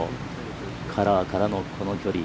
カラーからのこの距離。